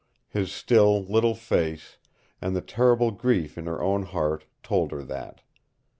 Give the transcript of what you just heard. His still little face and the terrible grief in her own heart told her that.